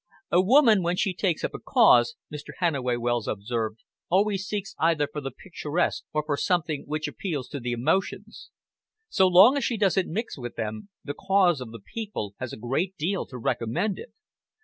"A woman, when she takes up a cause," Mr. Hannaway Wells observed, "always seeks either for the picturesque or for something which appeals to the emotions. So long as she doesn't mix with them, the cause of the people has a great deal to recommend it.